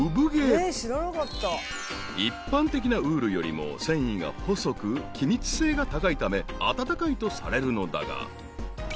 ［一般的なウールよりも繊維が細く気密性が高いため暖かいとされるのだが］